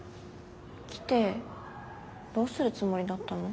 来てどうするつもりだったの？